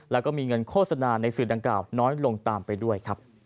แล้วก็มีเงินโฆษณาในสื่อดังกล่าวน้อยลงตามไปด้วยครับ